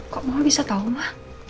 kok mama bisa tau ma